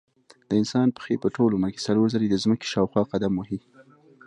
د انسان پښې په ټول عمر کې څلور ځلې د ځمکې شاوخوا قدم وهي.